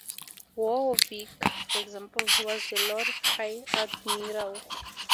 Warwick, for example, was the Lord High Admiral.